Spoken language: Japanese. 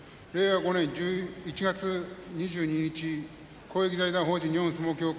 ５年１月２２日公益財団法人日本相撲協会